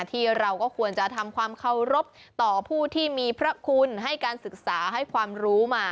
ที่เราก็ควรจะทำความเคารพต่อผู้ที่มีพระคุณให้การศึกษาให้ความรู้มา